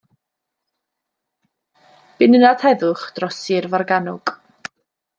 Bu'n ynad heddwch dros Sir Forgannwg.